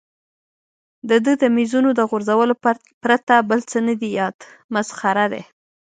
د ده د مېزونو د غورځولو پرته بل څه نه دي یاد، مسخره دی.